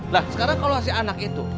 nah sekarang kalau si anak itu